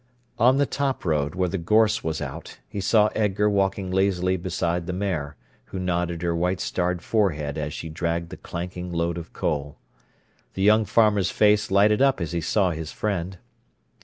On the top road, where the gorse was out, he saw Edgar walking lazily beside the mare, who nodded her white starred forehead as she dragged the clanking load of coal. The young farmer's face lighted up as he saw his friend.